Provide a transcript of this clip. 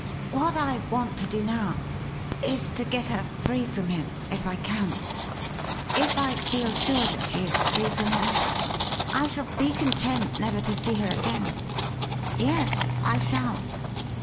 What I want to do now is to get her free from him — if I can. If I feel sure that she is free from him, I shall be content never to see her again. Yes, I shall